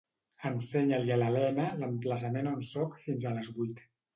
Ensenya-li a l'Helena l'emplaçament on soc fins a les vuit.